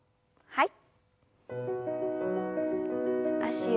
はい。